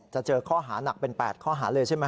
จะเจอข้อหานักเป็น๘ข้อหาเลยใช่ไหม